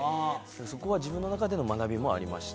そこは自分の中での学びもありました。